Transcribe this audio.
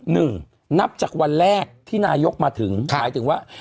หนึ่งนับจากวันแรกที่นายกมาถึงหมายถึงว่า